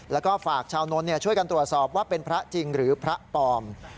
แล้วก็ฝากชาวนนท์ช่วยกันตรวจสอบว่าเป็นพระจริงหรือพระปลอม